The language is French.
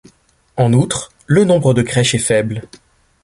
En outre, le nombre de crèches est faible.